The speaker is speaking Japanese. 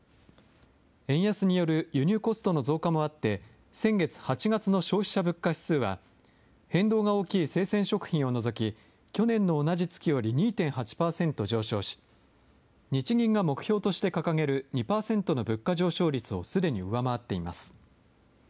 円安による輸入コストの増加もあって、先月・８月の消費者物価指数は、変動が大きい生鮮食品を除き去年の同じ月より２．８％上昇し、日銀が目標として掲げる２％の物価上昇率をすでに上回っています。